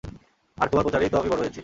আর তোমার প্রচারেই তো আমি বড় হয়েছি।